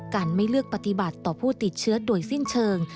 การไม่เลือกปฏิบัติต่อผู้ติดเชื้อโดยสิ้นเชิง